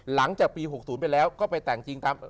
หลังจากปี๖๐ไปแล้วก็ไปแต่งจริงตาม